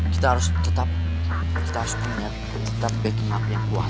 kita harus tetap kita harus punya tetap backing up yang kuat